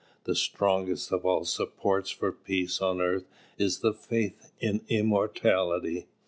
The strongest of all supports for peace on earth is the faith in immortality.